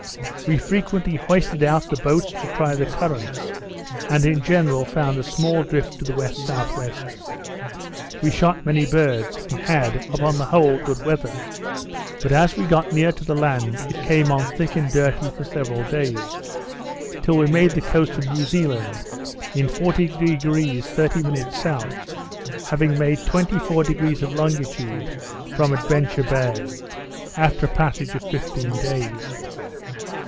We frequently hoisted out the boats to try the currents, and in general found a small drift to the W.S.W. We shot many birds; and had, upon the whole, good weather; but as we got near to the land, it came on thick and dirty for several days, till we made the coast of New Zealand in 40° 30' S., having made twenty four degrees of longitude, from Adventure Bay, after a passage of fifteen days.